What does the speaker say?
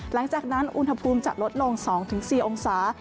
หลังจากนั้นอุณหภูมิจะลดลงสองถึงสี่องศา